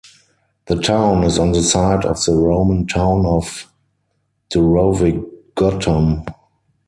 The town is on the site of the Roman town of "Durovigutum".